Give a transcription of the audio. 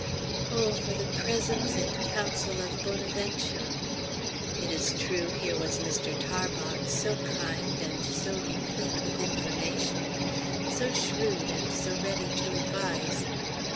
Oh for the presence and counsel of Bonaventure! It is true, here was Mr. Tarbox, so kind, and so replete with information; so shrewd and so ready to advise.